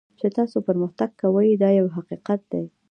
چې تاسو پرمختګ کوئ دا یو حقیقت دی.